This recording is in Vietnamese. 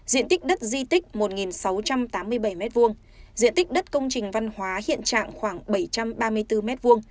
diện tích đất di tích một sáu trăm tám mươi bảy m hai diện tích đất công trình văn hóa hiện trạng khoảng bảy trăm ba mươi bốn m hai